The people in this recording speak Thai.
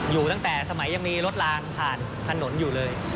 อยู่ตั้งแต่สมัยยังมีรถลางผ่านถนนอยู่เลย